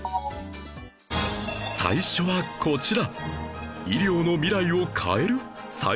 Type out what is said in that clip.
最初はこちら